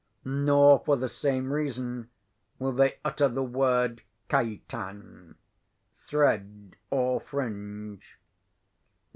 Nor, for the same reason, will they utter the word Keitan, thread or fringe.